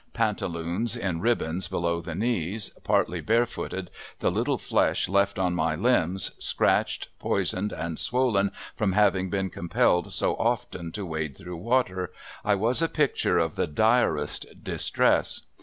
Pantaloons in ribbons below the knees, partly barefooted, the little flesh left on my limbs scratched, poisoned and swollen from having been compelled so often to wade through water, I was a picture of the direst distress.